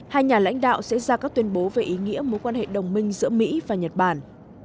hai nhà lãnh đạo sẽ ra các tuyên bố về ý nghĩa mối quan hệ đồng minh giữa mỹ và nhật bản